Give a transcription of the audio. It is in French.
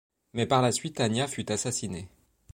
Mais par la suite Ania fut assassinée.